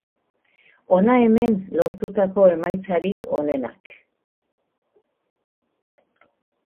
Hona hemen lortutako emaitzarik onenak